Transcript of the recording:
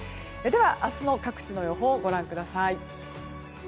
明日の各地の予報をご覧ください。